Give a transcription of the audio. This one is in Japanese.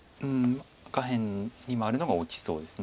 下辺に回るのが大きそうです。